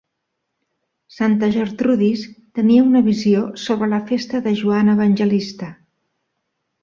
Santa Gertrudis tenia una visió sobre la festa de Joan Evangelista.